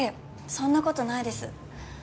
そんなことないです